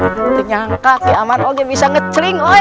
tidak nyangka kiaman ini bisa menceling oi